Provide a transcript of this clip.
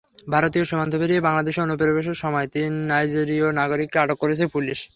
ভারতীয় সীমান্ত পেরিয়ে বাংলাদেশে অনুপ্রবেশের সময় তিন নাইজেরীয় নাগরিককে আটক করেছে পুলিশ।